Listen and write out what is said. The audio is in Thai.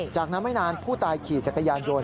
จากนั้นไม่นานผู้ตายขี่จักรยานยนต